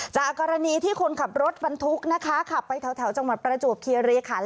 จากกรณีที่คนขับรถบรรทุกนะคะขับไปแถวจังหวัดประจวบคีรีขัน